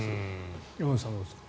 山口さん、どうですか。